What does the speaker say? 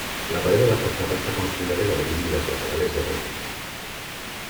La pared de la fachada está construida de ladrillo y las laterales de adobe.